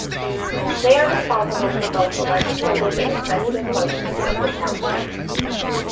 They are responsible for both the legislative and executive functions of the township.